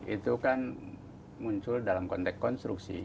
itu kan muncul dalam konteks konstruksi